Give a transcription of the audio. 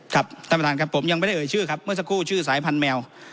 ท่านประธานครับผมยังไม่ได้เอ่ยชื่อครับเมื่อสักครู่ชื่อสายพันธุแมว